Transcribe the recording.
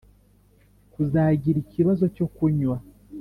Kuzagira ikibazo cyo kunywa